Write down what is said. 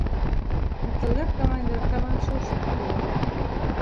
Икәүләп командирға табан шыуышып китәләр.